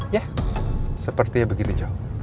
ya sepertinya begitu jho